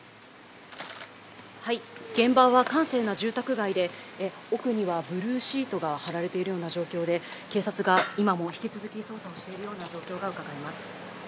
現場は閑静な住宅街で奥にはブルーシートが張られているような状況で警察が今も引き続き捜査をしているような状況がうかがえます。